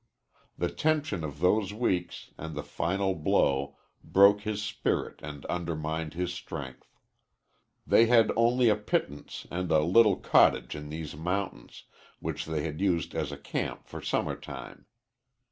The tension of those weeks, and the final blow, broke his spirit and undermined his strength. They had only a pittance and a little cottage in these mountains, which they had used as a camp for summer time.